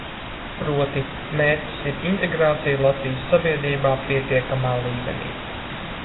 Proti, mērķis ir integrācija Latvijas sabiedrībā pietiekamā līmenī.